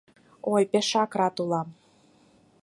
Ой, пешак рат улам!